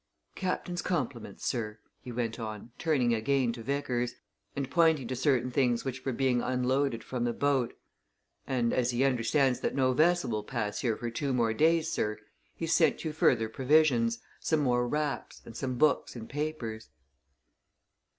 Captain's compliments, sir," he went on, turning again to Vickers, and pointing to certain things which were being unloaded from the boat, "and as he understands that no vessel will pass here for two more days, sir, he's sent you further provisions, some more wraps, and some books and papers."